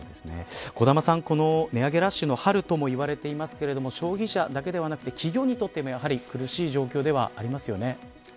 小玉さん、この値上げラッシュの春ともいわれていますけれども消費者だけではなく企業にとっても苦しい状況ではありますよね。